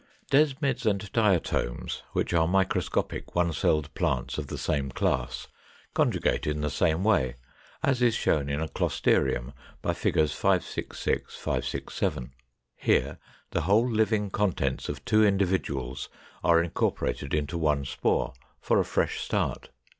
] 513. Desmids and Diatomes, which are microscopic one celled plants of the same class, conjugate in the same way, as is shown in a Closterium by Fig. 566, 567. Here the whole living contents of two individuals are incorporated into one spore, for a fresh start.